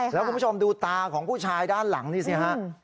แล้วคุณผู้ชมดูตาของผู้ชายด้านหลังนี่สิฮะ